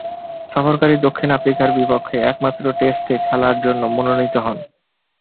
সফরকারী দক্ষিণ আফ্রিকার বিপক্ষে একমাত্র টেস্টে খেলার জন্য মনোনীত হন।